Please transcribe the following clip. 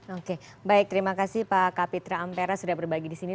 oke baik terima kasih pak kapitra ampera sudah berbagi di sini